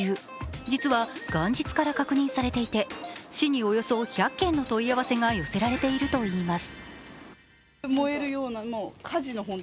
実は元日から確認されていて市におよそ１００件の問い合わせが寄せられているといいます。